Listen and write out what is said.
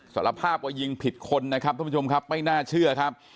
สารภาพว่ายิงผิดคนนะครับท่านผู้ชมครับไม่น่าเชื่อครับ